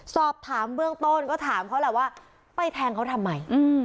สอบถามเบื้องต้นก็ถามเขาแหละว่าไปแทงเขาทำไม